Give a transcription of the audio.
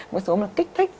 một số kích thích